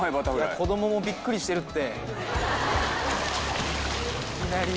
子供もびっくりしてるって。